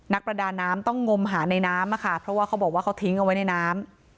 ประดาน้ำต้องงมหาในน้ำอะค่ะเพราะว่าเขาบอกว่าเขาทิ้งเอาไว้ในน้ำ